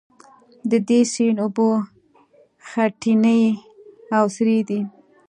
د دې سیند اوبه خټینې او سرې دي.